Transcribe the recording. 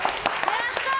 やったー！